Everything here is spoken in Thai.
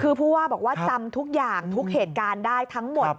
คือผู้ว่าบอกว่าจำทุกอย่างทุกเหตุการณ์ได้ทั้งหมด